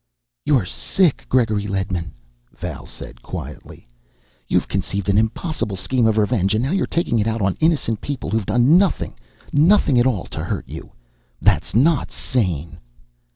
"You're sick, Gregory Ledman," Val said quietly. "You've conceived an impossible scheme of revenge and now you're taking it out on innocent people who've done nothing, nothing at all to you. That's not sane!"